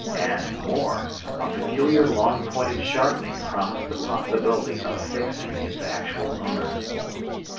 And, more, a peculiar long pointed sharpening promised the possibility of fixing its actual owner.